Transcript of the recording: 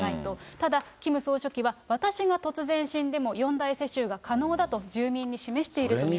ただ、キム総書記は、私が突然死んでも、４代世襲が可能だと住民に示していると見られる。